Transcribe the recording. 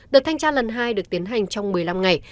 đợt thanh tra lần hai được tiến hành trong một mươi năm ngày